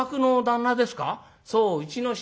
「そううちの人。